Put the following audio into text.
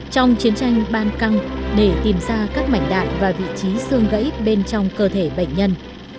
trong chiến tranh ban căng để tìm ra các mảnh đại và vị trí xương gãy bên trong cơ thể bệnh nhân